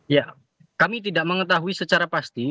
ya kami tidak mengetahui secara pasti